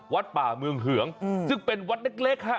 วัดป่าเมืองเหืองซึ่งเป็นวัดเล็กฮะ